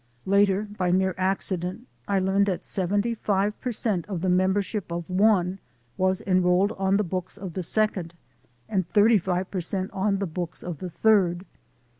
AN IMMIGRANT COMMUNITY 241 Later, by mere accident, I learned that seventy five per cent of the membership of one was enrolled on the books of the second, and thirty five per cent on the books of the third.